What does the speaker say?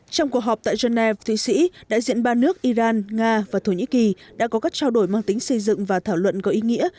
trong cuộc họp tại geneva thụy sĩ đại diện ba nước iran nga và thổ nhĩ kỳ đã có các trao đổi mang tính xây dựng và thảo luận có ý nghĩa